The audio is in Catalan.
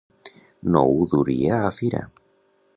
No ho duria a fira.